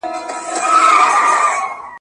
په اولس کي به دي ږغ «منظورومه ».